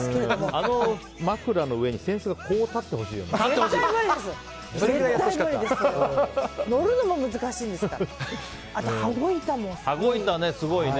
あの枕の上に扇子がこう立ってほしいよね。